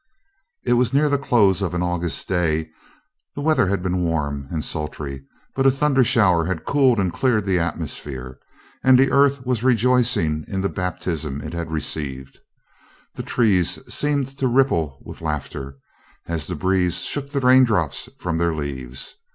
It was near the close of an August day. The weather had been warm and sultry, but a thunder shower had cooled and cleared the atmosphere, and the earth was rejoicing in the baptism it had received. The trees seemed to ripple with laughter, as the breeze shook the raindrops from their leaves.